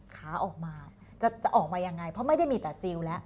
ขาออกมาจะออกมายังไงเพราะไม่ได้มีแต่ซิลแล้ว